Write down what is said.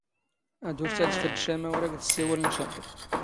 ⴰⴷ ⵓⵔ ⵜⴰⴷⴼⴷ ⵛⴰ ⵎⴰ ⵓⵔ ⴰⴽ ⴷ ⵙⵙⵉⵡⵍⵏ ⵛⴰ.